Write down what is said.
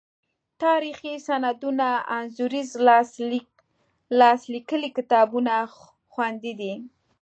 تاریخي سندونه، انځوریز لاس لیکلي کتابونه خوندي دي.